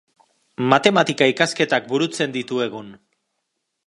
Matematika ikasketak burutzen ditu egun.